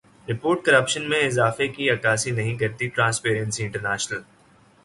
report corruption میں اضافے کی عکاسی نہیں کرتی ٹرانسپیرنسی انٹرنیشنل